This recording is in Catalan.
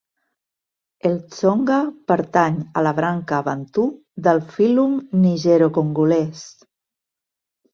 El tsonga pertany a la branca bantu del fílum nigerocongolès.